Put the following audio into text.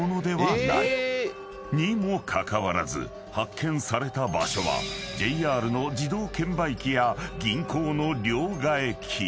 ［にもかかわらず発見された場所はＪＲの自動券売機や銀行の両替機］